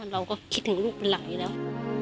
เราก็คิดถึงลูกเป็นหลายแล้ว